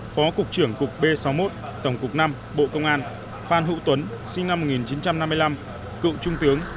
phó cục trưởng cục b sáu mươi một tổng cục v bộ công an phan hữu tuấn sinh năm một nghìn chín trăm năm mươi năm cựu trung tướng